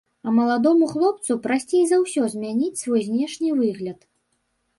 А маладому хлопцу прасцей за ўсё змяніць свой знешні выгляд.